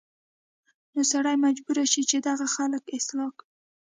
نو سړی مجبور شي چې دغه خلک اصلاح کړي